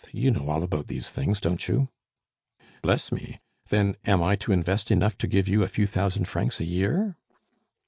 You know all about these things, don't you?" "Bless me! then, am I to invest enough to give you a few thousand francs a year?"